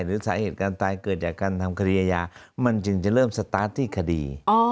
หรือสาเหตุการตายเกิดจากการทำคดีอาญามันจึงจะเริ่มสตาร์ทที่คดี